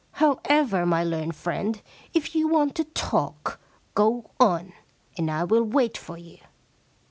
However, my learned friend, if you want to talk, go on and I will wait for you.